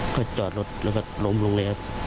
ก็จอดรถแล้วก็ล้มลงเลยครับ